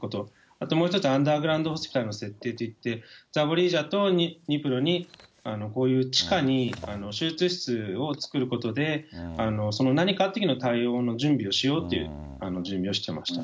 あともう１つはアンダーグラウンドホスピタルの設定といって、ザボリージャとニプロに、こういう地下に手術室を作ることで、その何かのときの対応の準備をしようという準備をしてました。